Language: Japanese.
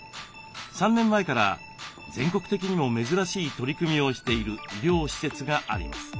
３年前から全国的にも珍しい取り組みをしている医療施設があります。